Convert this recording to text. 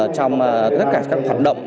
trong tất cả các hoạt động